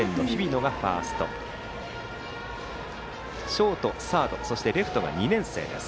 ショート、サードそしてレフトが２年生です。